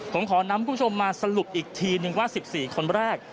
ผมขอนำคุณผู้ชมมาสรุปอีกทีนึงว่า๑๔คนแรก